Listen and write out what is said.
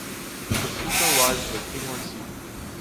The Suco lies on the Timor Sea.